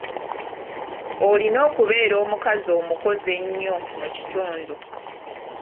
Olina okubeera omukazi omukozi ennyo mu kitundu.